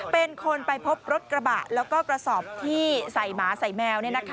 เป็นคนไปพบรถกระบะแล้วก็กระสอบที่ใส่หมาใส่แมว